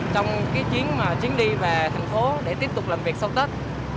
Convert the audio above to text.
trong chuyến đi về thành phố để tiếp tục làm việc sau tết